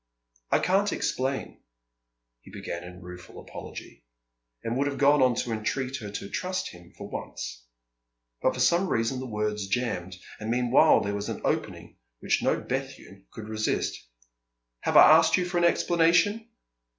"I can't explain," he began in rueful apology, and would have gone on to entreat her to trust him for once. But for some reason the words jammed. And meanwhile there was an opening which no Bethune could resist. "Have I asked you for an explanation?"